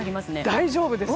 大丈夫です。